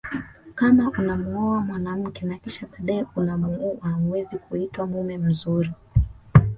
Kama unamuoa mwanamke na kisha baadae unamuua huwezi kuitwa mume mzuri